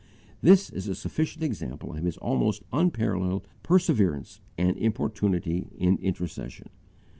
This is a sufficient example of his almost unparalleled perseverance and importunity in intercession.